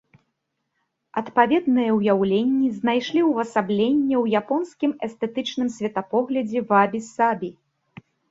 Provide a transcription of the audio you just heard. Адпаведныя ўяўленні знайшлі ўвасабленне ў японскім эстэтычным светапоглядзе вабі-сабі.